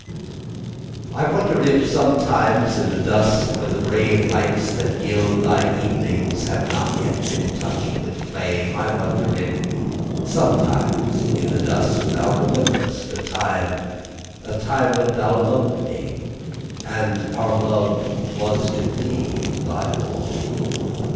I wonder if sometimes in the dusk, When the brave lights that gild thy evenings Have not yet been touched with flame, I wonder if sometimes in the dusk Thou rememberest a time, A time when thou loved me And our love was to thee thy all?